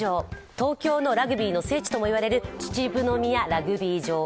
東京のラグビーの聖地ともいわれる秩父宮ラグビー場。